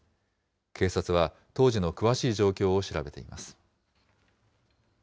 警察は当時の詳しい状況を調べています。